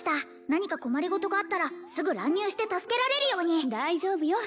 何か困りごとがあったらすぐ乱入して助けられるように大丈夫よ